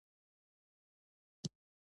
ښایست له رڼا سره غږېږي